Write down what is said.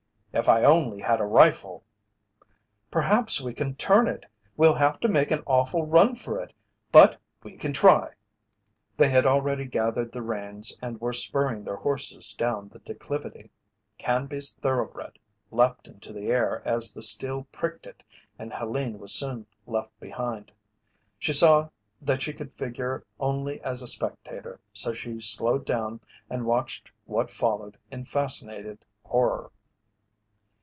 "If I only had a rifle!" "Perhaps we can turn it! We'll have to make an awful run for it but we can try!" They had already gathered the reins and were spurring their horses down the declivity. Canby's thoroughbred leaped into the air as the steel pricked it and Helene was soon left behind. She saw that she could figure only as a spectator, so she slowed down and watched what followed in fascinated horror.